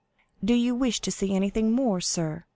"Do you wish to see anything more, sir?"